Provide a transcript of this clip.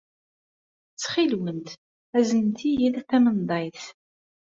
Ttxil-went, aznemt-iyi-d tamenḍayt.